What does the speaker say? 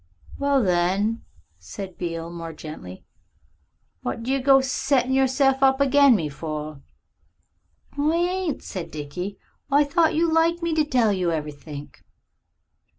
"Well, then," said Beale more gently, "what do you go settin' of yourself up agin me for?" "I ain't," said Dickie. "I thought you liked me to tell you everythink."